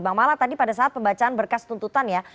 bang mala tadi pada saat pembacaan berkas tuntutan ya